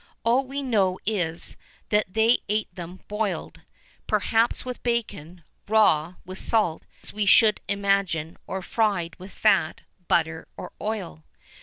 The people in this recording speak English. All we know is, that they ate them boiled,[VIII 12] perhaps with bacon; raw,[VIII 13] with salt, we should imagine; or fried[VIII 14] with fat, butter, or oil.